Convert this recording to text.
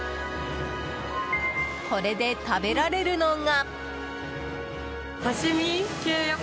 これで食べられるのが。